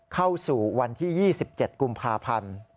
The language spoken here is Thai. เข้าสู่วันที่๒๗กุมภาพันธ์